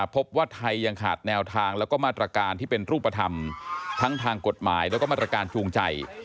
พบว่าไทยยังขาดแนวทางแล้วก็มาตรการที่เป็นรูปธรรมทั้งทางกฎหมายแล้วก็มาตรการจูงใจ